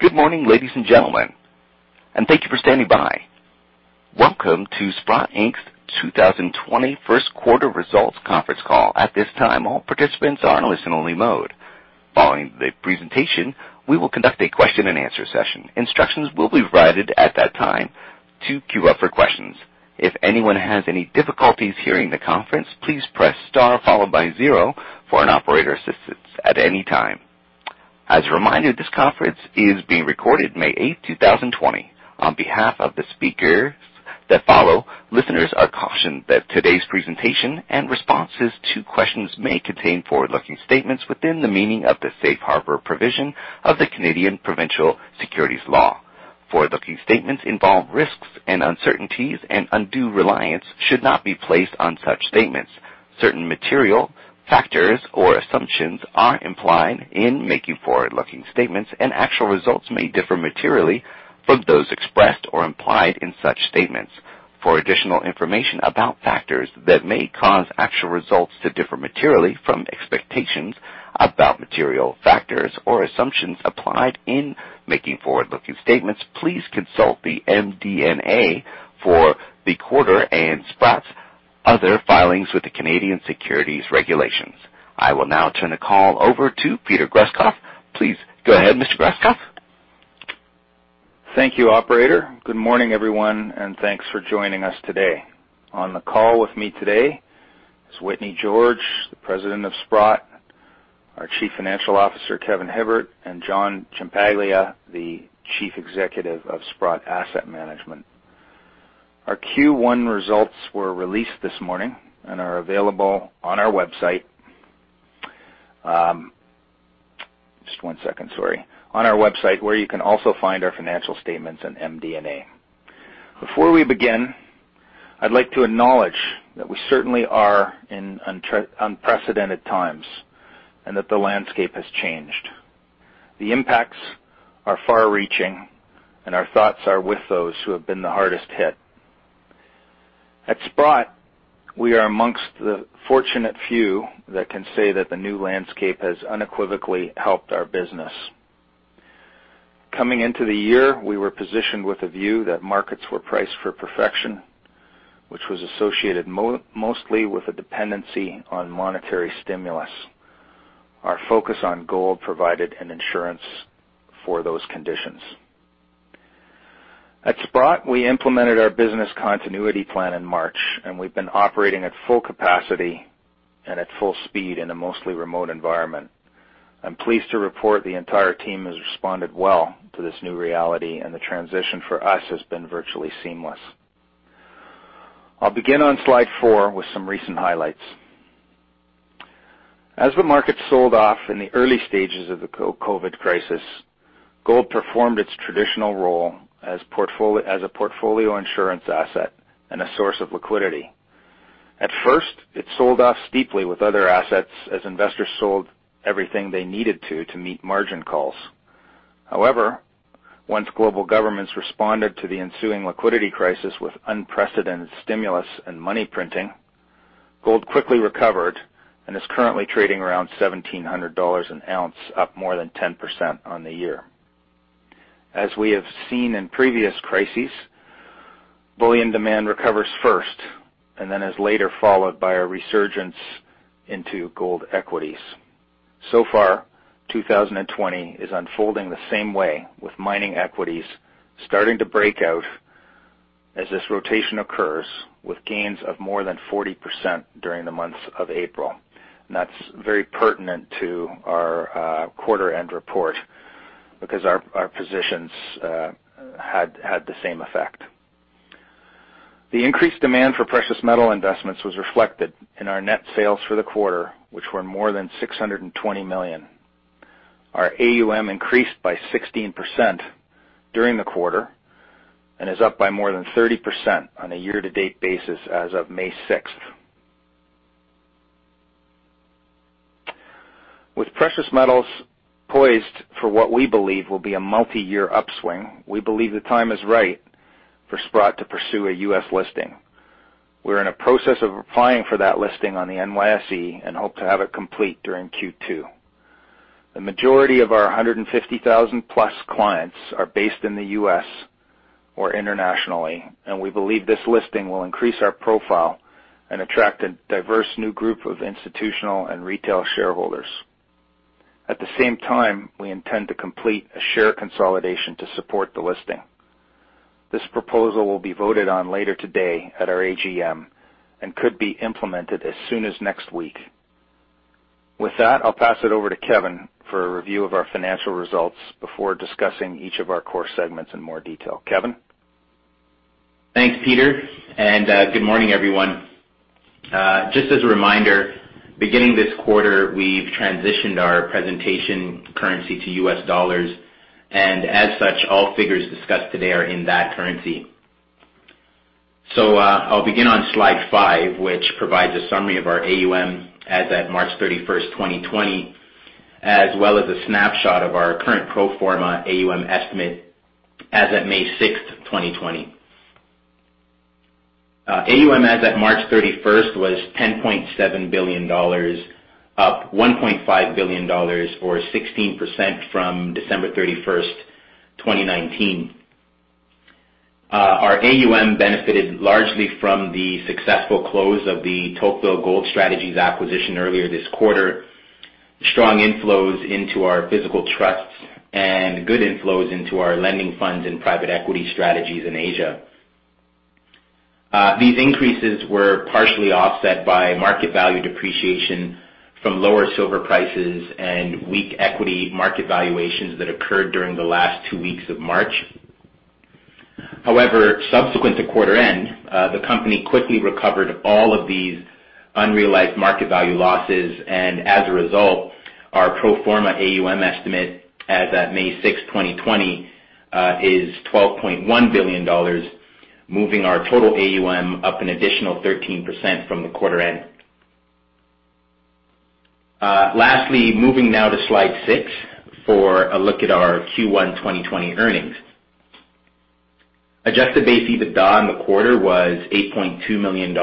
Good morning, ladies and gentlemen. Thank you for standing by. Welcome to Sprott Inc.'s 2020 first quarter results conference call. At this time, all participants are in listen-only mode. Following the presentation, we will conduct a question and answer session. Instructions will be provided at that time to queue up for questions. If anyone has any difficulties hearing the conference, please press star followed by zero for an operator assistance at any time. As a reminder, this conference is being recorded May 8th, 2020. On behalf of the speakers that follow, listeners are cautioned that today's presentation and responses to questions may contain forward-looking statements within the meaning of the safe harbor provision of the Canadian Provincial Securities Law. Forward-looking statements involve risks and uncertainties. Undue reliance should not be placed on such statements. Certain material factors or assumptions are implied in making forward-looking statements, and actual results may differ materially from those expressed or implied in such statements. For additional information about factors that may cause actual results to differ materially from expectations about material factors or assumptions applied in making forward-looking statements, please consult the MD&A for the quarter and Sprott's other filings with the Canadian Securities regulations. I will now turn the call over to Peter Grosskopf. Please go ahead, Mr. Grosskopf. Thank you, operator. Good morning, everyone, thanks for joining us today. On the call with me today is Whitney George, the President of Sprott, our Chief Financial Officer, Kevin Hibbert, and John Ciampaglia, the Chief Executive of Sprott Asset Management. Our Q1 results were released this morning and are available on our website. Just one second, sorry. On our website, where you can also find our financial statements and MD&A. Before we begin, I'd like to acknowledge that we certainly are in unprecedented times and that the landscape has changed. The impacts are far-reaching, and our thoughts are with those who have been the hardest hit. At Sprott, we are amongst the fortunate few that can say that the new landscape has unequivocally helped our business. Coming into the year, we were positioned with a view that markets were priced for perfection, which was associated mostly with a dependency on monetary stimulus. Our focus on gold provided an insurance for those conditions. At Sprott, we implemented our business continuity plan in March, and we've been operating at full capacity and at full speed in a mostly remote environment. I'm pleased to report the entire team has responded well to this new reality, and the transition for us has been virtually seamless. I'll begin on slide 4 with some recent highlights. As the market sold off in the early stages of the COVID crisis, gold performed its traditional role as a portfolio insurance asset and a source of liquidity. At first, it sold off steeply with other assets as investors sold everything they needed to meet margin calls. However, once global governments responded to the ensuing liquidity crisis with unprecedented stimulus and money printing, gold quickly recovered and is currently trading around $1,700 an ounce, up more than 10% on the year. As we have seen in previous crises, bullion demand recovers first and then is later followed by a resurgence into gold equities. 2020 is unfolding the same way, with mining equities starting to break out as this rotation occurs, with gains of more than 40% during the months of April. That's very pertinent to our quarter-end report because our positions had the same effect. The increased demand for precious metal investments was reflected in our net sales for the quarter, which were more than $620 million. Our AUM increased by 16% during the quarter and is up by more than 30% on a year-to-date basis as of May 6th. With precious metals poised for what we believe will be a multiyear upswing, we believe the time is right for Sprott to pursue a U.S. listing. We're in a process of applying for that listing on the NYSE and hope to have it complete during Q2. The majority of our 150,000+ clients are based in the U.S. or internationally, we believe this listing will increase our profile and attract a diverse new group of institutional and retail shareholders. At the same time, we intend to complete a share consolidation to support the listing. This proposal will be voted on later today at our AGM and could be implemented as soon as next week. With that, I'll pass it over to Kevin for a review of our financial results before discussing each of our core segments in more detail. Kevin? Thanks, Peter. Good morning, everyone. Just as a reminder, beginning this quarter, we've transitioned our presentation currency to U.S. dollars, and as such, all figures discussed today are in that currency. I'll begin on slide 5, which provides a summary of our AUM as at March 31st, 2020, as well as a snapshot of our current pro forma AUM estimate as at May 6th, 2020. AUM as at March 31st was $10.7 billion, up $1.5 billion or 16% from December 31st, 2019. Our AUM benefited largely from the successful close of the Tocqueville Gold Strategies acquisition earlier this quarter, strong inflows into our physical trusts, and good inflows into our lending funds and private equity strategies in Asia. These increases were partially offset by market value depreciation from lower silver prices and weak equity market valuations that occurred during the last two weeks of March. However, subsequent to quarter end, the company quickly recovered all of these unrealized market value losses, and as a result, our pro forma AUM estimate as at May 6th, 2020, is $12.1 billion, moving our total AUM up an additional 13% from the quarter end. Lastly, moving now to slide 6 for a look at our Q1 2020 earnings. Adjusted base EBITDA in the quarter was $8.2 million,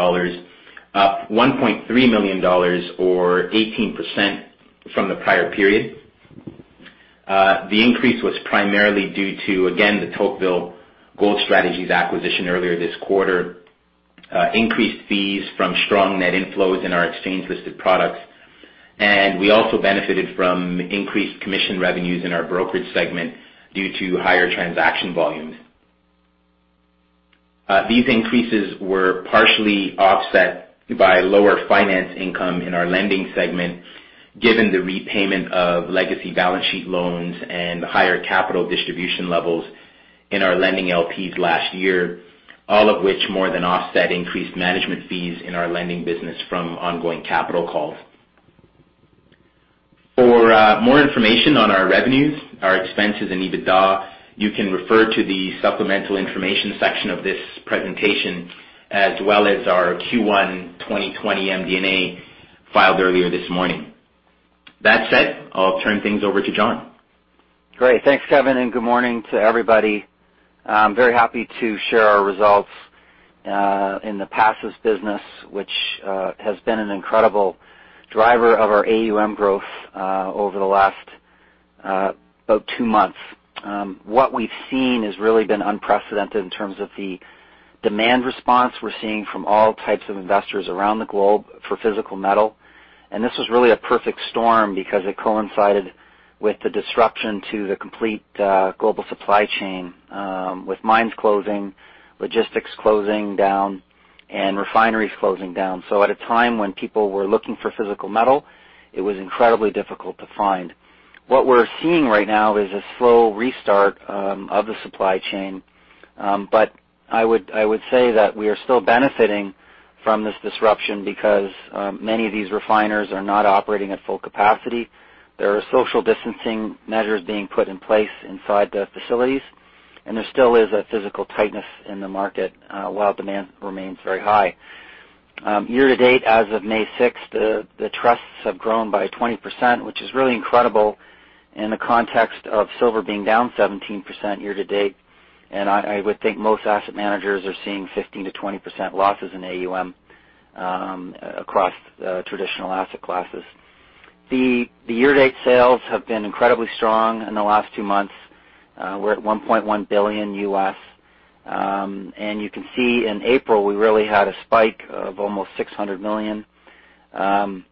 up $1.3 million or 18% from the prior period. The increase was primarily due to, again, the Tocqueville Gold Strategies acquisition earlier this quarter, increased fees from strong net inflows in our exchange-listed products, and we also benefited from increased commission revenues in our brokerage segment due to higher transaction volumes. These increases were partially offset by lower finance income in our lending segment, given the repayment of legacy balance sheet loans and higher capital distribution levels in our lending LPs last year, all of which more than offset increased management fees in our lending business from ongoing capital calls. For more information on our revenues, our expenses in EBITDA, you can refer to the supplemental information section of this presentation, as well as our Q1 2020 MD&A filed earlier this morning. That said, I'll turn things over to John. Great. Thanks, Kevin, and good morning to everybody. I'm very happy to share our results in the physicals business, which has been an incredible driver of our AUM growth over the last about two months. What we've seen has really been unprecedented in terms of the demand response we're seeing from all types of investors around the globe for physical metal. This was really a perfect storm because it coincided with the disruption to the complete global supply chain, with mines closing, logistics closing down, and refineries closing down. At a time when people were looking for physical metal, it was incredibly difficult to find. What we're seeing right now is a slow restart of the supply chain. I would say that we are still benefiting from this disruption because many of these refiners are not operating at full capacity. There are social distancing measures being put in place inside the facilities, and there still is a physical tightness in the market while demand remains very high. Year-to-date as of May 6th, the trusts have grown by 20%, which is really incredible in the context of silver being down 17% year-to-date. I would think most asset managers are seeing 15%-20% losses in AUM across traditional asset classes. The year-to-date sales have been incredibly strong in the last two months. We're at $1.1 billion. You can see in April, we really had a spike of almost $600 million. The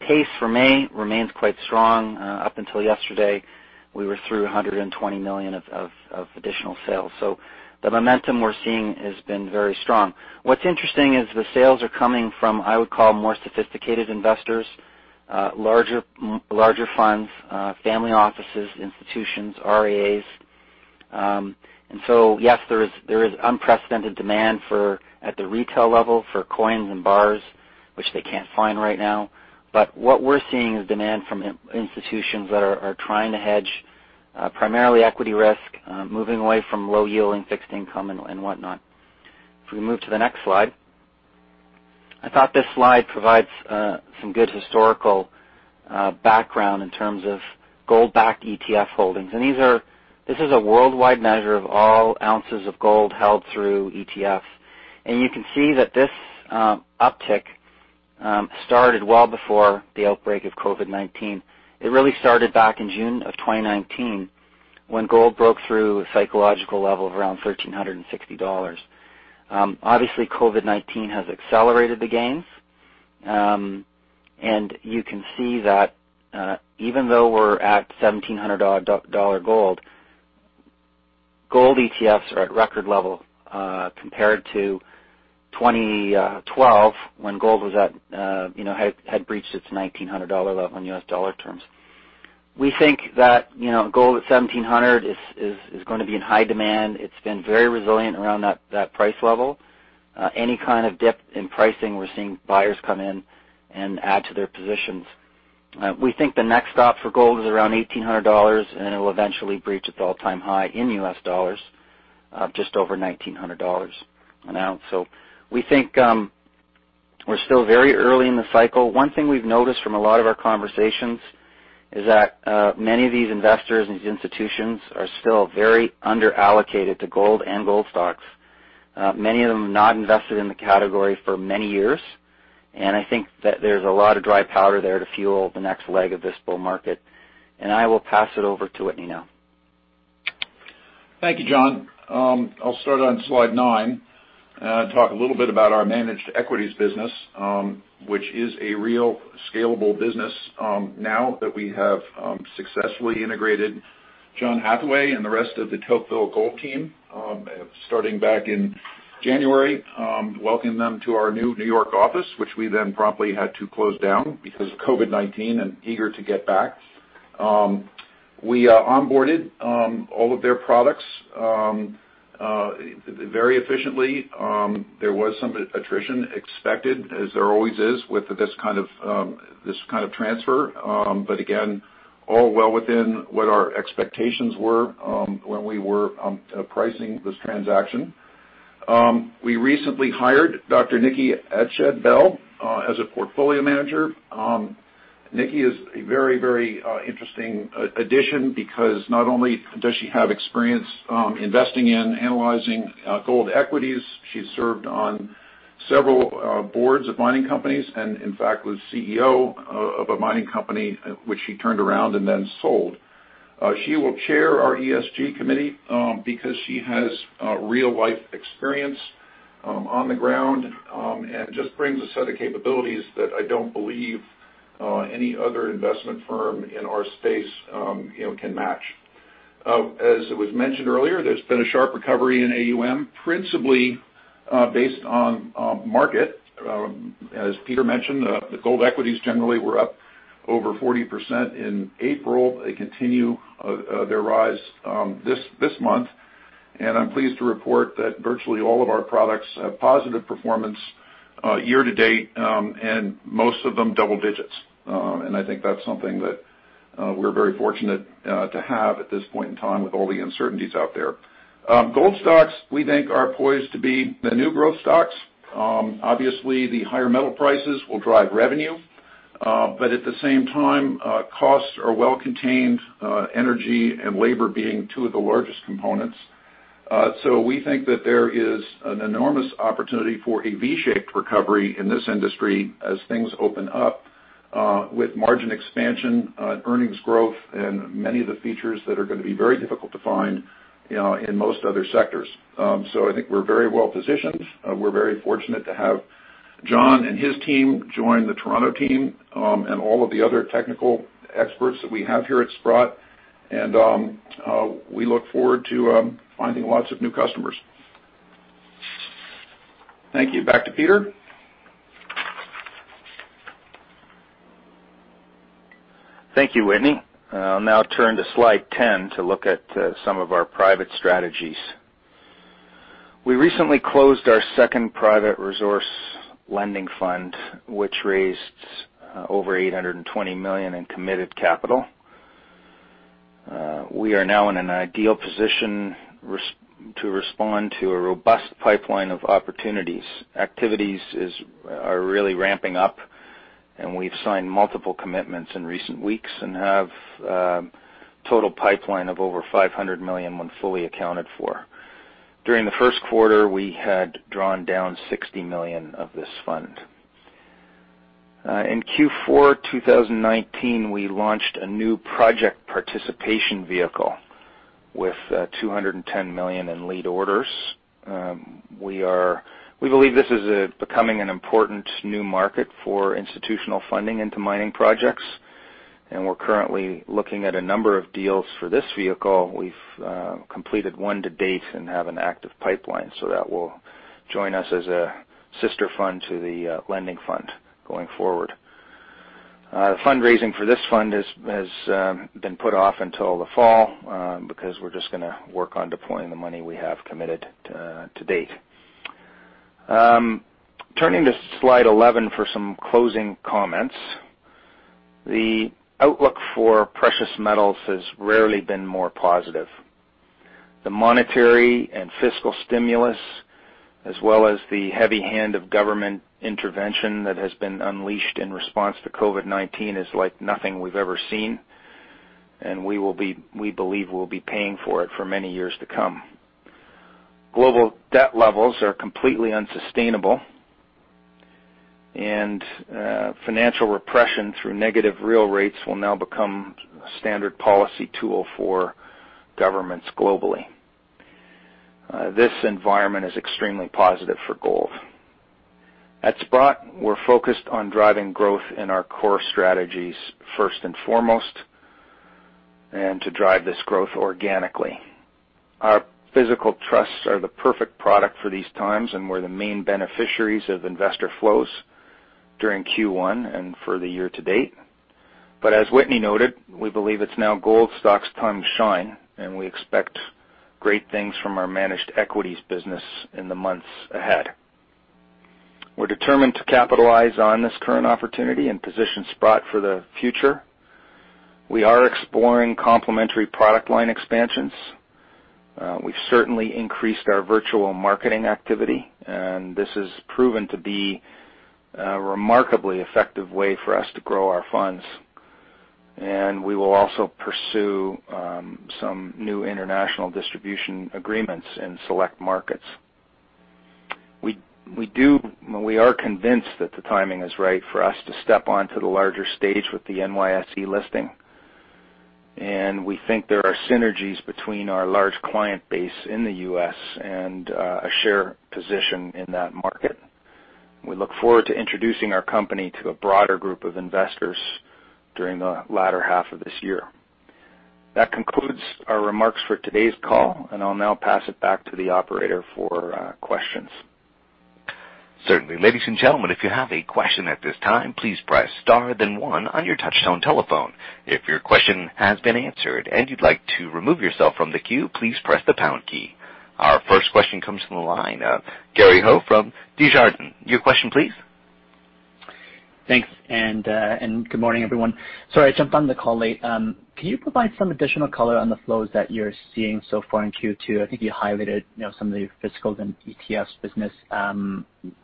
pace for May remains quite strong. Up until yesterday, we were through $120 million of additional sales. The momentum we're seeing has been very strong. What's interesting is the sales are coming from, I would call, more sophisticated investors, larger funds, family offices, institutions, RIAs. Yes, there is unprecedented demand at the retail level for coins and bars, which they can't find right now. What we're seeing is demand from institutions that are trying to hedge primarily equity risk, moving away from low yielding fixed income and Whatnot. If we move to the next slide, I thought this slide provides some good historical background in terms of gold-backed ETF holdings. This is a worldwide measure of all ounces of gold held through ETF. You can see that this uptick started well before the outbreak of COVID-19. It really started back in June of 2019, when gold broke through a psychological level of around $1,360. Obviously, COVID-19 has accelerated the gains. You can see that even though we're at $1,700 gold ETFs are at record level compared to 2012 when gold had breached its $1,900 level in U.S. dollar terms. We think that gold at $1,700 is going to be in high demand. It's been very resilient around that price level. Any kind of dip in pricing, we're seeing buyers come in and add to their positions. We think the next stop for gold is around $1,800, and it will eventually breach its all-time high in U.S. dollars of just over $1,900 an ounce. We're still very early in the cycle. One thing we've noticed from a lot of our conversations is that many of these investors and these institutions are still very under-allocated to gold and gold stocks. Many of them have not invested in the category for many years, I think that there's a lot of dry powder there to fuel the next leg of this bull market. I will pass it over to Whitney now. Thank you, John. I'll start on slide 9, and talk a little bit about our managed equities business, which is a real scalable business now that we have successfully integrated John Hathaway and the rest of the Tocqueville gold team, starting back in January. Welcomed them to our new New York office, which we then promptly had to close down because of COVID-19 and eager to get back. We onboarded all of their products very efficiently. There was some attrition expected, as there always is with this kind of transfer. Again, all well within what our expectations were when we were pricing this transaction. We recently hired [Dr. Nicky Etchell] as a portfolio manager. Nicky is a very interesting addition because not only does she have experience investing in analyzing gold equities, she's served on several boards of mining companies, and in fact, was CEO of a mining company which she turned around and then sold. She will chair our ESG committee, because she has real-life experience on the ground, and just brings a set of capabilities that I don't believe any other investment firm in our space can match. As was mentioned earlier, there's been a sharp recovery in AUM, principally, based on market. As Peter mentioned, the gold equities generally were up over 40% in April. They continue their rise this month. I'm pleased to report that virtually all of our products have positive performance year to date, and most of them double digits. I think that's something that we're very fortunate to have at this point in time with all the uncertainties out there. Gold stocks, we think, are poised to be the new growth stocks. Obviously, the higher metal prices will drive revenue. At the same time, costs are well contained, energy and labor being two of the largest components. We think that there is an enormous opportunity for a V-shaped recovery in this industry as things open up, with margin expansion, earnings growth, and many of the features that are going to be very difficult to find in most other sectors. I think we're very well positioned. We're very fortunate to have John and his team join the Toronto team, and all of the other technical experts that we have here at Sprott. We look forward to finding lots of new customers. Thank you. Back to Peter. Thank you, Whitney. I'll now turn to slide 10 to look at some of our private strategies. We recently closed our second private resource lending fund, which raised over $820 million in committed capital. We are now in an ideal position to respond to a robust pipeline of opportunities. Activities are really ramping up, and we've signed multiple commitments in recent weeks and have a total pipeline of over $500 million when fully accounted for. During the first quarter, we had drawn down $60 million of this fund. In Q4 2019, we launched a new project participation vehicle with $210 million in lead orders. We believe this is becoming an important new market for institutional funding into mining projects, and we're currently looking at a number of deals for this vehicle. We've completed one to date and have an active pipeline, so that will join us as a sister fund to the lending fund going forward. Fundraising for this fund has been put off until the fall, because we're just going to work on deploying the money we have committed to date. Turning to slide 11 for some closing comments. The outlook for precious metals has rarely been more positive. The monetary and fiscal stimulus, as well as the heavy hand of government intervention that has been unleashed in response to COVID-19 is like nothing we've ever seen. We believe we'll be paying for it for many years to come. Global debt levels are completely unsustainable. Financial repression through negative real rates will now become a standard policy tool for governments globally. This environment is extremely positive for gold. At Sprott, we're focused on driving growth in our core strategies first and foremost, and to drive this growth organically. Our physical trusts are the perfect product for these times, and we're the main beneficiaries of investor flows during Q1 and for the year to date. As Whitney noted, we believe it's now gold stocks' time to shine, and we expect great things from our managed equities business in the months ahead. We're determined to capitalize on this current opportunity and position Sprott for the future. We are exploring complementary product line expansions. We've certainly increased our virtual marketing activity. This has proven to be a remarkably effective way for us to grow our funds. We will also pursue some new international distribution agreements in select markets. We are convinced that the timing is right for us to step onto the larger stage with the NYSE listing. We think there are synergies between our large client base in the U.S. and a share position in that market. We look forward to introducing our company to a broader group of investors during the latter half of this year. That concludes our remarks for today's call. I'll now pass it back to the operator for questions. Certainly. Ladies and gentlemen, if you have a question at this time, please press star then one on your touch tone telephone. If your question has been answered and you'd like to remove yourself from the queue, please press the pound key. Our first question comes from the line of Gary Ho from Desjardins. Your question please. Thanks, good morning, everyone. Sorry, I jumped on the call late. Can you provide some additional color on the flows that you're seeing so far in Q2? I think you highlighted some of the physicals in ETFs business.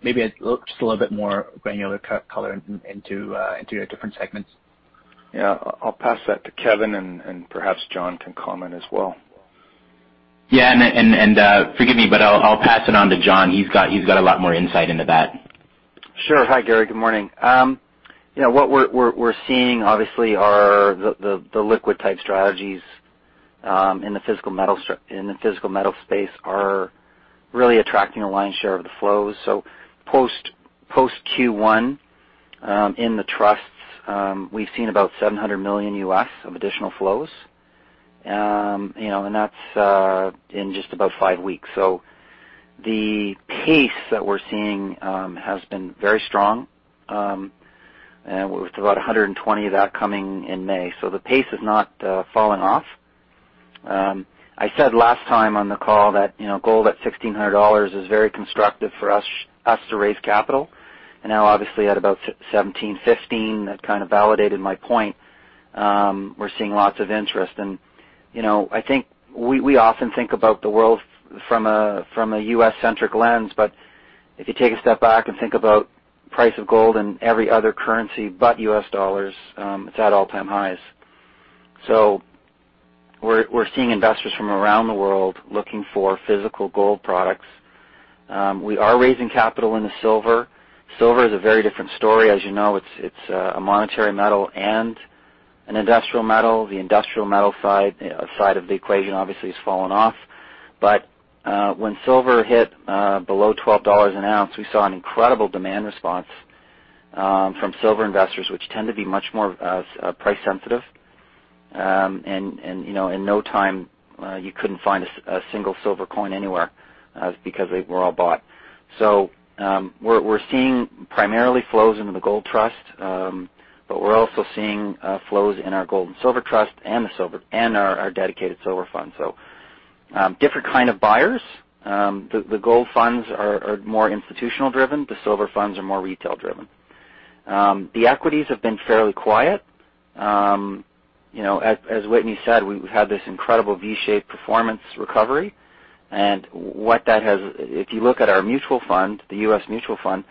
Maybe just a little bit more granular color into your different segments. Yeah. I'll pass that to Kevin, and perhaps John can comment as well. Yeah, forgive me, but I'll pass it on to John. He's got a lot more insight into that. Sure. Hi, Gary. Good morning. What we're seeing, obviously, are the liquid type strategies in the physical metal space are really attracting a lion's share of the flows. Post Q1, in the trusts, we've seen about $700 million of additional flows, and that's in just about five weeks. The pace that we're seeing has been very strong, and with about 120 of that coming in May. The pace has not fallen off. I said last time on the call that gold at $1,600 is very constructive for us to raise capital, and now obviously at about $1,715, that kind of validated my point. We're seeing lots of interest. I think we often think about the world from a U.S. centric lens. If you take a step back and think about price of gold in every other currency but U.S. dollars, it's at all-time highs. We're seeing investors from around the world looking for physical gold products. We are raising capital into silver. Silver is a very different story. As you know, it's a monetary metal and an industrial metal. The industrial metal side of the equation obviously has fallen off. When silver hit below $12 an ounce, we saw an incredible demand response from silver investors, which tend to be much more price sensitive. In no time, you couldn't find a single silver coin anywhere because they were all bought. We're seeing primarily flows into the gold trust, but we're also seeing flows in our gold and silver trust and our dedicated silver fund. Different kind of buyers. The gold funds are more institutional driven. The silver funds are more retail driven. The equities have been fairly quiet. As Whitney said, we've had this incredible V-shaped performance recovery. If you look at our mutual fund, the U.S. mutual fund,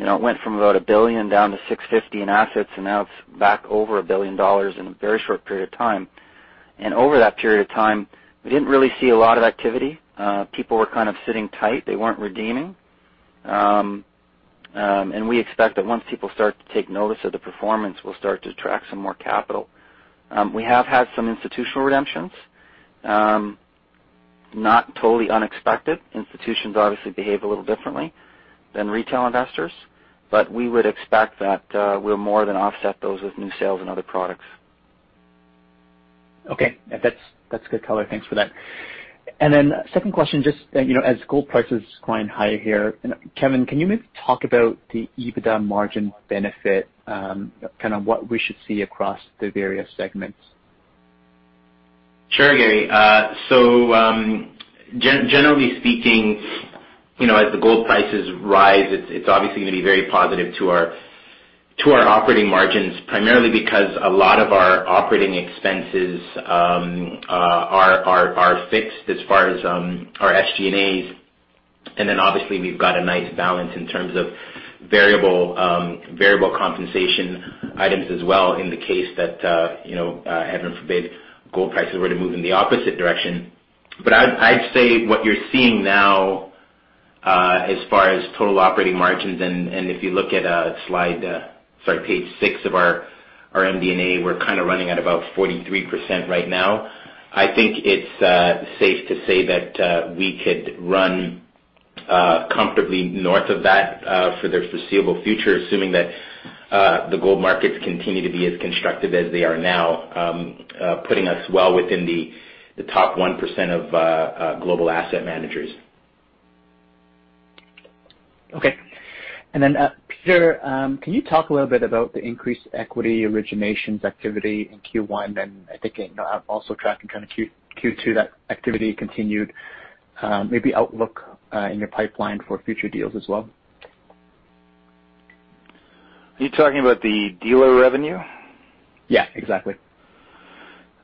it went from about $1 billion down to 650 in assets, and now it's back over $1 billion in a very short period of time. Over that period of time, we didn't really see a lot of activity. People were kind of sitting tight. They weren't redeeming. We expect that once people start to take notice of the performance, we'll start to attract some more capital. We have had some institutional redemptions. Not totally unexpected. Institutions obviously behave a little differently than retail investors, but we would expect that we'll more than offset those with new sales in other products. Okay. That's good color. Thanks for that. Second question, just as gold prices climb higher here, Kevin, can you maybe talk about the EBITDA margin benefit, kind of what we should see across the various segments? Sure, Gary. Generally speaking, as the gold prices rise, it's obviously going to be very positive to our operating margins, primarily because a lot of our operating expenses are fixed as far as our SG&A. Obviously we've got a nice balance in terms of variable compensation items as well in the case that, heaven forbid, gold prices were to move in the opposite direction. I'd say what you're seeing now as far as total operating margins, and if you look at page 6 of our MD&A, we're kind of running at about 43% right now. I think it's safe to say that we could run comfortably north of that for the foreseeable future, assuming that the gold markets continue to be as constructive as they are now, putting us well within the top 1% of global asset managers. Okay. Then Peter, can you talk a little bit about the increased equity originations activity in Q1, and I think also tracking kind of Q2, that activity continued, maybe outlook in your pipeline for future deals as well? Are you talking about the dealer revenue? Yeah, exactly.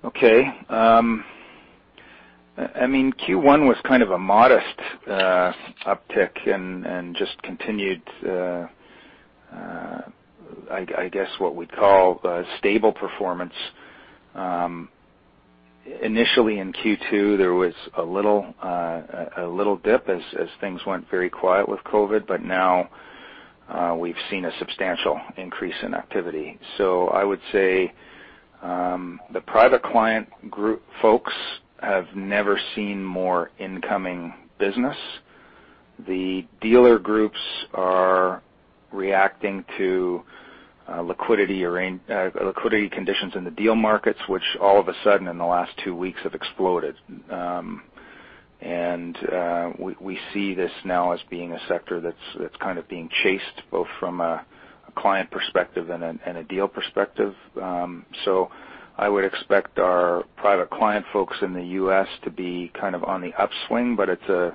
Okay. Q1 was kind of a modest uptick and just continued, I guess what we'd call a stable performance. Initially in Q2, there was a little dip as things went very quiet with COVID, but now we've seen a substantial increase in activity. I would say the private client group folks have never seen more incoming business. The dealer groups are reacting to liquidity conditions in the deal markets, which all of a sudden in the last two weeks have exploded. We see this now as being a sector that's kind of being chased, both from a client perspective and a deal perspective. I would expect our private client folks in the U.S. to be kind of on the upswing, but it's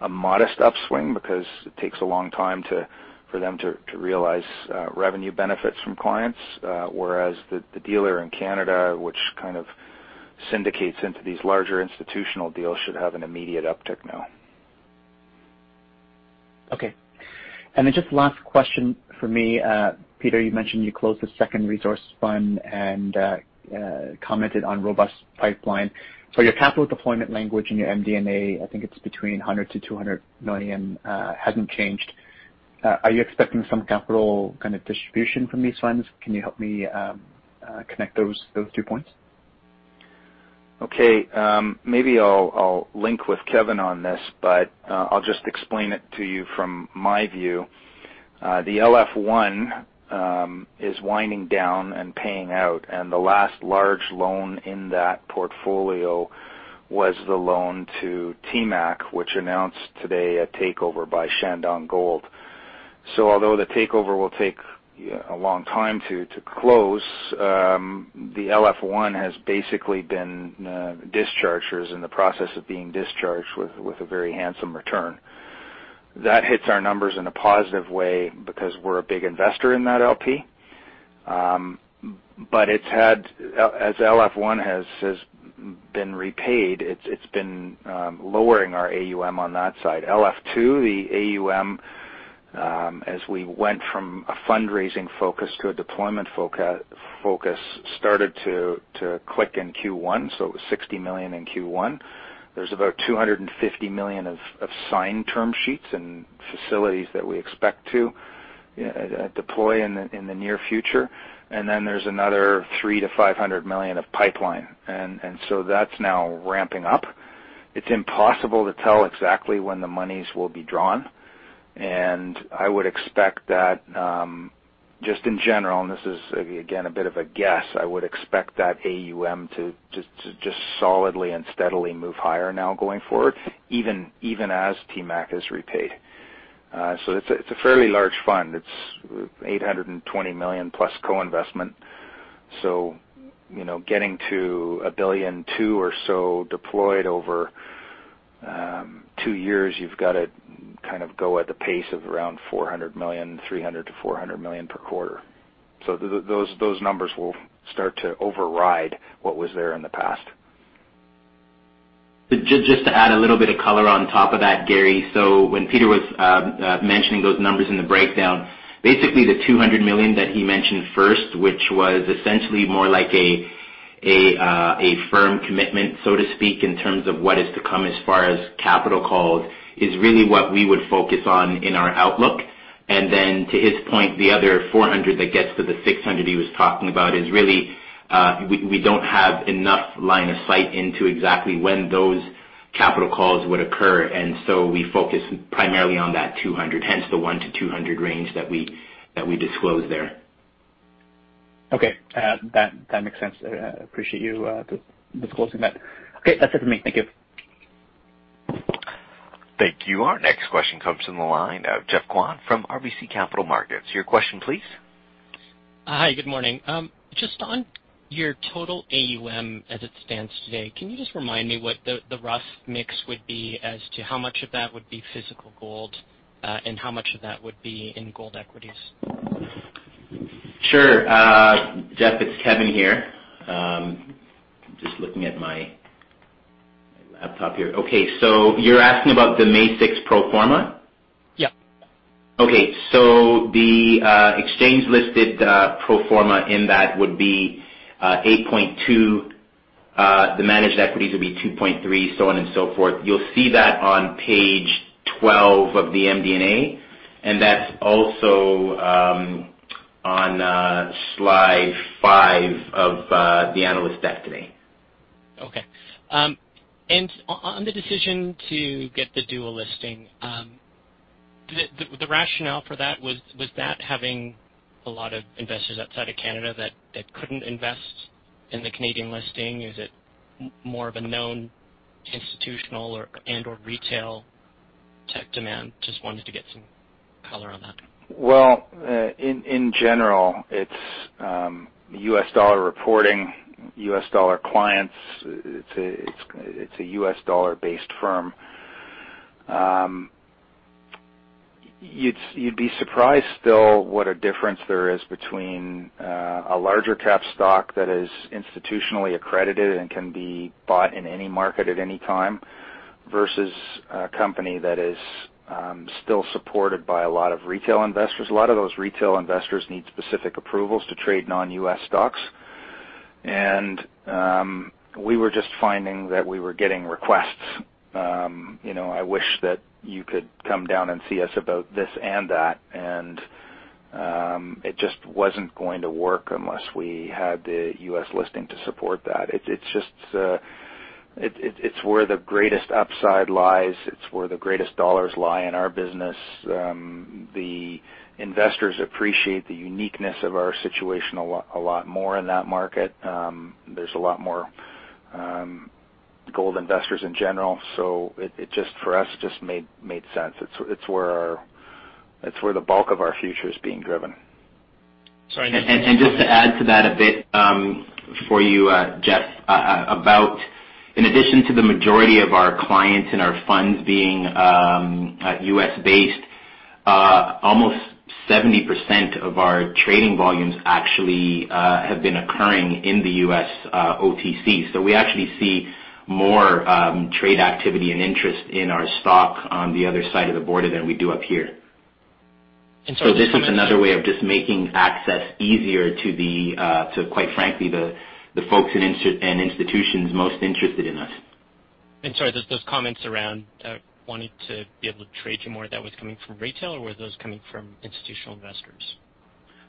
a modest upswing because it takes a long time for them to realize revenue benefits from clients. Whereas the dealer in Canada, which kind of syndicates into these larger institutional deals, should have an immediate uptick now. Okay. Just last question from me. Peter, you mentioned you closed the second resource fund and commented on robust pipeline. Your capital deployment language in your MD&A, I think it's between $100 million-$200 million, hasn't changed. Are you expecting some capital kind of distribution from these funds? Can you help me connect those two points? Okay. Maybe I'll link with Kevin on this, but I'll just explain it to you from my view. The LF1 is winding down and paying out, and the last large loan in that portfolio was the loan to TMAC, which announced today a takeover by Shandong Gold. Although the takeover will take a long time to close, the LF1 has basically been discharged in the process of being discharged with a very handsome return. That hits our numbers in a positive way because we're a big investor in that LP. As LF1 has been repaid, it's been lowering our AUM on that side. LF2, the AUM, as we went from a fundraising focus to a deployment focus, started to click in Q1, so it was $60 million in Q1. There's about $250 million of signed term sheets and facilities that we expect to deploy in the near future. Then there's another $300 million-$500 million of pipeline. That's now ramping up. It's impossible to tell exactly when the monies will be drawn. I would expect that, just in general, and this is, again, a bit of a guess, I would expect that AUM to just solidly and steadily move higher now going forward, even as TMAC is repaid. It's a fairly large fund. It's $820 million+ co-investment. Getting to $1.2 billion or so deployed over two years, you've got to kind of go at the pace of around $300 million-$400 million per quarter. Those numbers will start to override what was there in the past. Just to add a little bit of color on top of that, Gary. When Peter was mentioning those numbers in the breakdown, basically the $200 million that he mentioned first, which was essentially more like a firm commitment, so to speak, in terms of what is to come as far as capital calls, is really what we would focus on in our outlook. Then to his point, the other $400 that gets to the $600 he was talking about is really, we don't have enough line of sight into exactly when those capital calls would occur. We focus primarily on that $200, hence the $1-$200 range that we disclose there. Okay. That makes sense. I appreciate you disclosing that. Okay. That's it for me. Thank you. Thank you. Our next question comes from the line of Geoffrey Kwan from RBC Capital Markets. Your question please. Hi, good morning. Just on your total AUM as it stands today, can you just remind me what the rough mix would be as to how much of that would be physical gold, and how much of that would be in gold equities? Sure. Geoffrey, it's Kevin here. I'm just looking at my laptop here. Okay, you're asking about the May six pro forma? Yeah. Okay. The exchange-listed pro forma in that would be $8.2. The managed equities would be $2.3, so on and so forth. You'll see that on page 12 of the MD&A, and that's also on slide 5 of the analyst deck today. Okay. On the decision to get the dual listing, the rationale for that, was that having a lot of investors outside of Canada that couldn't invest in the Canadian listing? Is it more of a known institutional and/or retail tech demand? Just wanted to get some color on that. Well, in general, it's U.S. dollar reporting, U.S. dollar clients. It's a U.S. dollar based firm. You'd be surprised still what a difference there is between a larger cap stock that is institutionally accredited and can be bought in any market at any time, versus a company that is still supported by a lot of retail investors. A lot of those retail investors need specific approvals to trade non U.S. stocks. And we were just finding that we were getting requests. I wish that you could come down and see us about this and that, and it just wasn't going to work unless we had the U.S. listing to support that. It's where the greatest upside lies. It's where the greatest dollars lie in our business. The investors appreciate the uniqueness of our situation a lot more in that market. There's a lot more gold investors in general, so for us, it just made sense. It's where the bulk of our future is being driven. Sorry, just to add to that a bit for you, Jeff. In addition to the majority of our clients and our funds being U.S. based, almost 70% of our trading volumes actually have been occurring in the U.S. OTC. We actually see more trade activity and interest in our stock on the other side of the border than we do up here. This is another way of just making access easier to, quite frankly, the folks and institutions most interested in us. Sorry, those comments around wanting to be able to trade you more, that was coming from retail, or were those coming from institutional investors?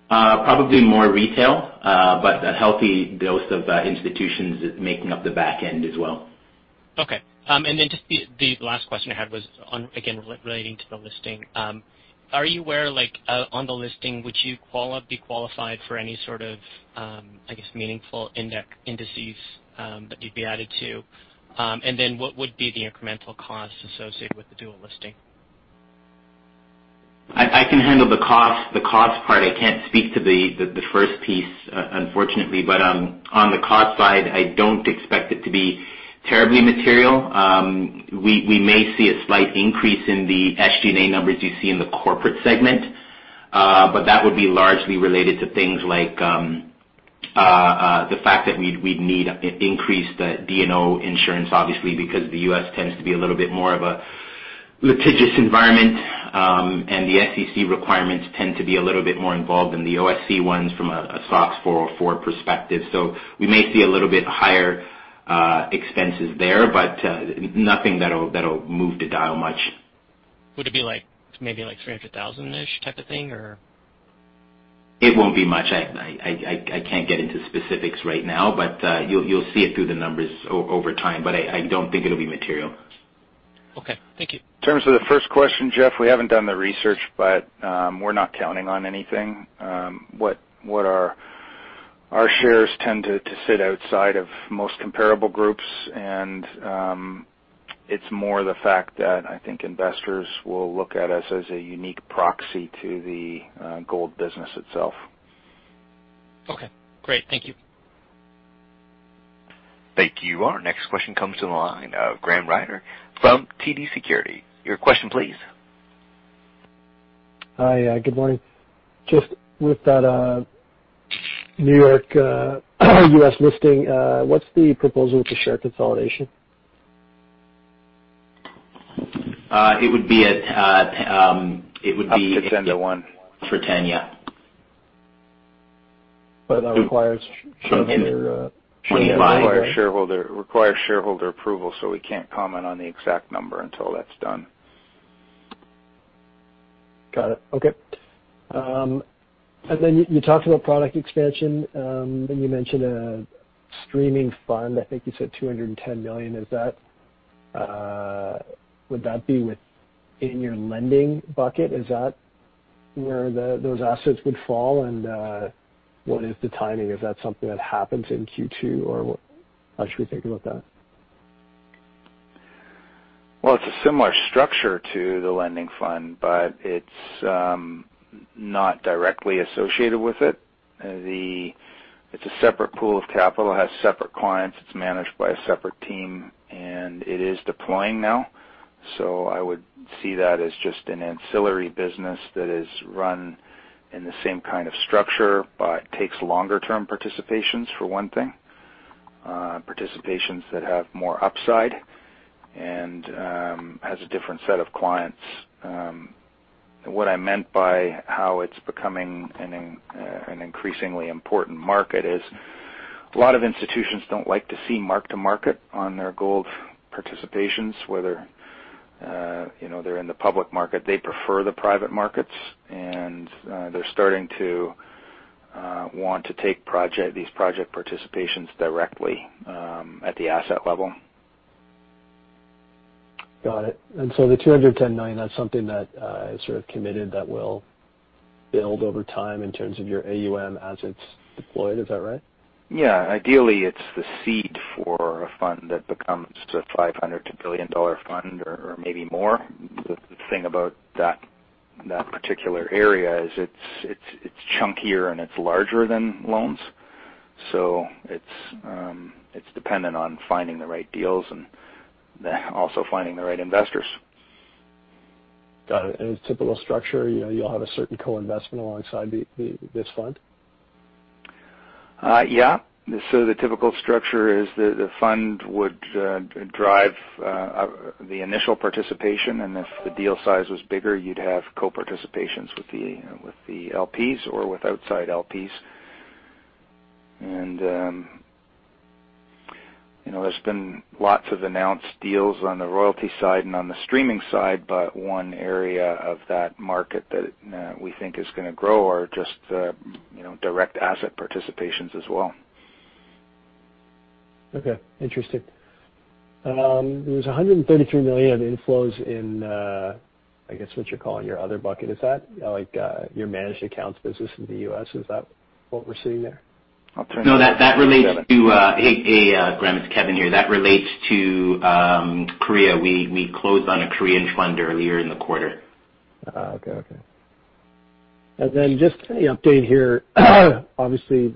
Probably more retail, but a healthy dose of institutions making up the back end as well. Okay. Just the last question I had was, again, relating to the listing. Are you aware, on the listing, would you be qualified for any sort of, I guess, meaningful indices that you'd be added to? What would be the incremental cost associated with the dual listing? I can handle the cost part. I can't speak to the first piece, unfortunately. On the cost side, I don't expect it to be terribly material. We may see a slight increase in the SG&A numbers you see in the corporate segment. That would be largely related to things like the fact that we'd need increased D&O insurance, obviously, because the U.S. tends to be a little bit more of a litigious environment. The SEC requirements tend to be a little bit more involved than the OSC ones from a SOX 404 perspective. We may see a little bit higher expenses there, but nothing that'll move the dial much. Would it be maybe like $300,000-ish type of thing, or? It won't be much. I can't get into specifics right now, but you'll see it through the numbers over time. I don't think it'll be material. Okay. Thank you. In terms of the first question, Geoffrey, we haven't done the research, but we're not counting on anything. Our shares tend to sit outside of most comparable groups, and it's more the fact that I think investors will look at us as a unique proxy to the gold business itself. Okay, great. Thank you. Thank you. Our next question comes to the line. Graham Ryding from TD Securities. Your question please. Hi. Good morning. Just with that New York U.S. listing, what's the proposal with the share consolidation? It would be at- Up to 10 to 1. [For 10], yeah. That requires. It requires shareholder approval, so we can't comment on the exact number until that's done. Got it. Okay. You talked about product expansion, and you mentioned a streaming fund, I think you said $210 million. Would that be within your lending bucket? Is that where those assets would fall? What is the timing? Is that something that happens in Q2, or how should we think about that? Well, it's a similar structure to the lending fund, but it's not directly associated with it. It's a separate pool of capital, has separate clients, it's managed by a separate team, and it is deploying now. I would see that as just an ancillary business that is run in the same kind of structure, but takes longer-term participations, for one thing. Participations that have more upside, and has a different set of clients. What I meant by how it's becoming an increasingly important market is a lot of institutions don't like to see mark-to-market on their gold participations, whether they're in the public market. They prefer the private markets, and they're starting to want to take these project participations directly at the asset level. Got it. The $210 million, that's something that is sort of committed that will build over time in terms of your AUM as it's deployed. Is that right? Yeah. Ideally, it's the seed for a fund that becomes a $500-$1 billion dollar fund or maybe more. The thing about that particular area is it's chunkier and it's larger than loans. It's dependent on finding the right deals and also finding the right investors. Got it. A typical structure, you'll have a certain co-investment alongside this fund? The typical structure is the fund would drive the initial participation. If the deal size was bigger, you'd have co-participations with the LPs or with outside LPs. There's been lots of announced deals on the royalty side and on the streaming side, but one area of that market that we think is going to grow are just direct asset participations as well. Okay. Interesting. There's $133 million inflows in, I guess what you're calling your other bucket. Is that your managed accounts business in the U.S.? Is that what we're seeing there? I'll turn it over to Kevin. No, Graham, it's Kevin here. That relates to Korea. We closed on a Korean fund earlier in the quarter. Oh, okay. Just any update here, obviously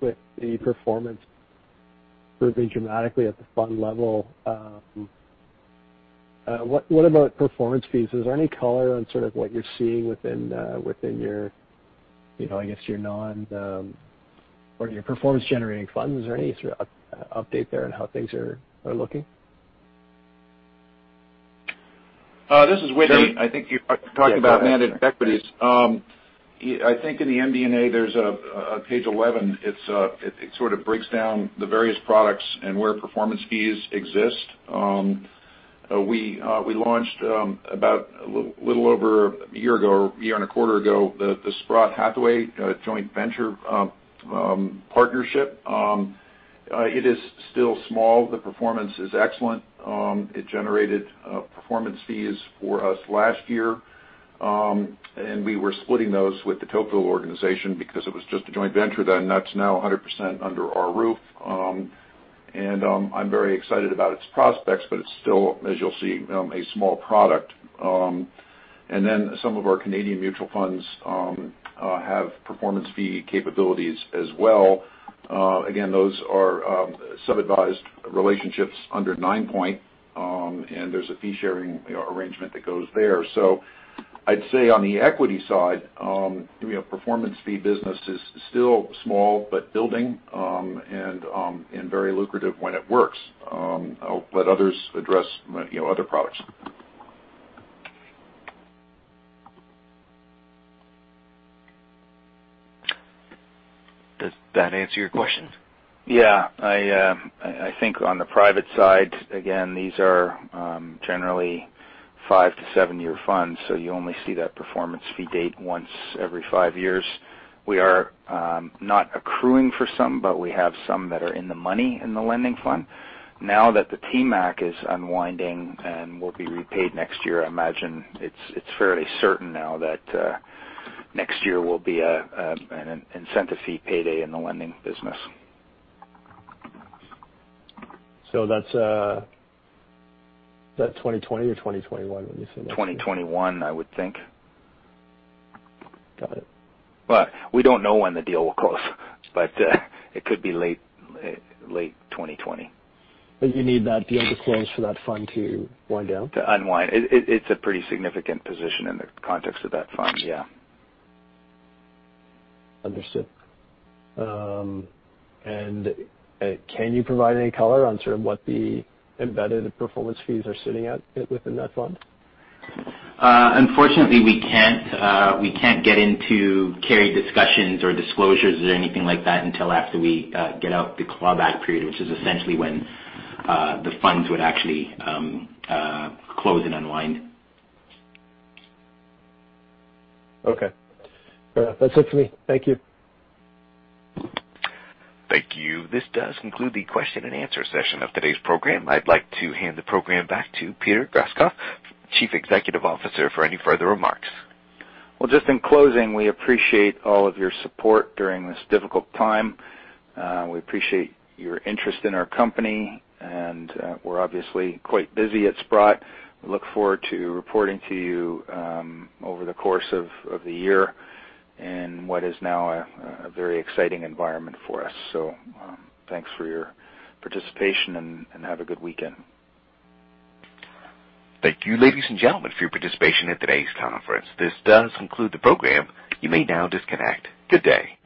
with the performance moving dramatically at the fund level. What about performance fees? Is there any color on sort of what you're seeing within your performance generating funds? Is there any sort of update there on how things are looking? This is Whitney. I think you're talking about managed equities. I think in the MD&A, page 11, it sort of breaks down the various products and where performance fees exist. We launched about a little over a year ago, year and a quarter ago, the Sprott Hathaway joint venture partnership. It is still small. The performance is excellent. It generated performance fees for us last year. We were splitting those with the Tocqueville organization because it was just a joint venture then. That's now 100% under our roof. I'm very excited about its prospects, but it's still, as you'll see, a small product. Some of our Canadian mutual funds have performance fee capabilities as well. Again, those are sub-advised relationships under Ninepoint. There's a fee-sharing arrangement that goes there. I'd say on the equity side, performance fee business is still small but building, and very lucrative when it works. I'll let others address other products. Does that answer your questions? Yeah. I think on the private side, again, these are generally five to seven-year funds, so you only see that performance fee date once every five years. We are not accruing for some, but we have some that are in the money in the lending fund. Now, that the TMAC is unwinding and will be repaid next year, I imagine it's fairly certain now that next year will be an incentive fee payday in the lending business. That's 2020 or 2021 when you say next year? 2021, I would think. Got it. We don't know when the deal will close. It could be late 2020. You need that deal to close for that fund to wind down? To unwind. It's a pretty significant position in the context of that fund. Yeah. Understood. Can you provide any color on sort of what the embedded performance fees are sitting at within that fund? Unfortunately, we can't get into carry discussions or disclosures or anything like that until after we get out the clawback period, which is essentially when the funds would actually close and unwind. Okay. That's it for me. Thank you. Thank you. This does conclude the question and answer session of today's program. I'd like to hand the program back to Peter Grosskopf, Chief Executive Officer, for any further remarks. Well, just in closing, we appreciate all of your support during this difficult time. We appreciate your interest in our company. We're obviously quite busy at Sprott. We look forward to reporting to you over the course of the year in what is now a very exciting environment for us. Thanks for your participation, and have a good weekend. Thank you, ladies and gentlemen, for your participation in today's conference. This does conclude the program. You may now disconnect. Good day.